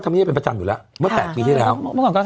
ทำเนี้ยมเป็นประจำอยู่แล้วเมื่อแปดปีที่แล้วเมื่อก่อนก็